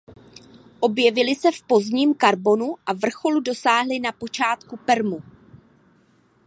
Objevili se v pozdním karbonu a vrcholu dosáhli na počátku permu.